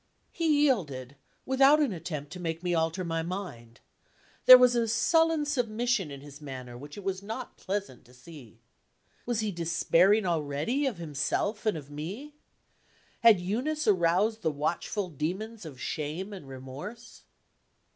He yielded, without an attempt to make me alter my mind. There was a sullen submission in his manner which it was not pleasant to see. Was he despairing already of himself and of me? Had Eunice aroused the watchful demons of shame and remorse?